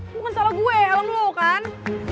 bukan salah gue helm lu kan